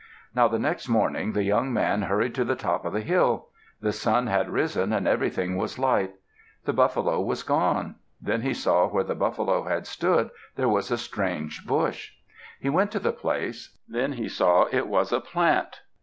Now the next morning, the young man hurried to the top of the hill. The sun had risen and everything was light. The buffalo was gone. Then he saw where the buffalo had stood there was a strange bush. He went to the place; then he saw it was a plant.